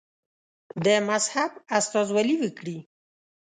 د مذهب استازولي وکړي.